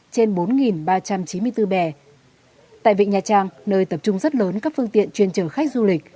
trên bốn ba trăm chín mươi bốn bè tại vịnh nha trang nơi tập trung rất lớn các phương tiện chuyên chở khách du lịch